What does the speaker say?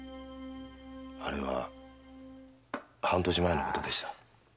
あれは半年前のことでした。